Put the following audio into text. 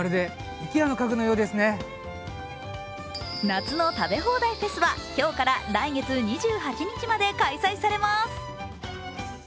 夏の食べ放題フェスは今日から来月２８日まで開催されます。